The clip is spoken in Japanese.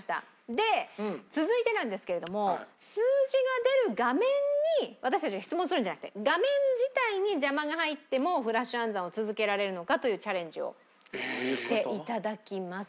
で続いてなんですけれども数字が出る画面に私たちが質問するんじゃなくて画面自体に邪魔が入ってもフラッシュ暗算を続けられるのかというチャレンジをして頂きます。